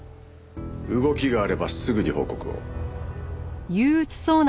動きがあればすぐに報告を。